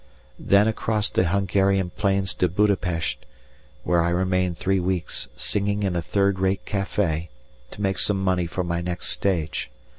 Then across the Hungarian plains to Buda Pesth, where I remained three weeks, singing in a third rate café, to make some money for my next stage.